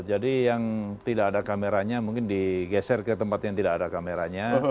jadi yang tidak ada kameranya mungkin digeser ke tempat yang tidak ada kameranya